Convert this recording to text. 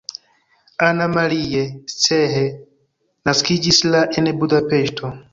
Anna Marie Cseh naskiĝis la en Budapeŝto.